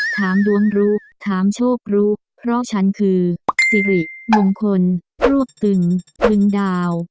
ถามดวงรู้ถามโชครู้เพราะฉันคือสิริมงคลรวบตึงตึงดาว